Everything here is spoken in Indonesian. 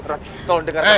rati tolong dengarkan